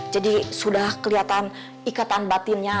jadi sudah kelihatan ikatan batinnya